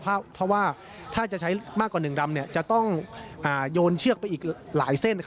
เพราะว่าถ้าจะใช้มากกว่า๑ดำจะต้องโยนเชือกไปอีกหลายเส้น